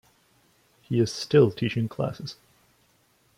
He is still teaching classes.